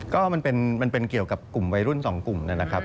ก็มันเป็นเกี่ยวกับกลุ่มวัยรุ่นสองกลุ่มนะครับ